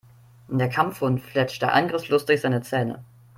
Der Kampfhund fletschte angriffslustig seine Zähne.